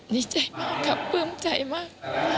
ดีใจมากครับปลื้มใจมาก